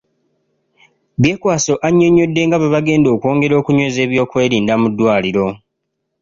Byekwaso annyonnyodde nga bwe bagenda okwongera okunyweza ebyokwerinda mu ddwaliro.